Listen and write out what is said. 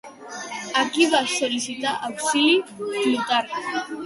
A qui va sol·licitar auxili Plutarc?